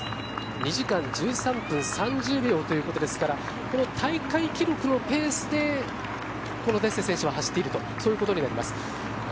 ２時間１３分３０秒ということですから大会記録のペースでこのデッセ選手は走っているとそういうことになります。